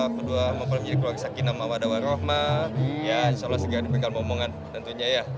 kedua mempelai menjadi keluarga sakinah mawada warohmat insyaallah segera dipegang omongan tentunya ya